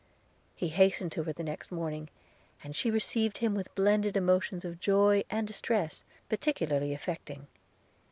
He hastened to her the next morning, and she received him with blended emotions of joy and distress particularly affecting.